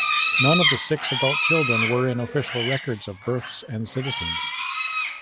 None of the six adult children were in official records of births and citizens.